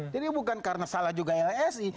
jadi bukan karena salah juga lsi